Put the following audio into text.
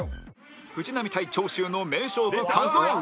藤波対長州の名勝負数え歌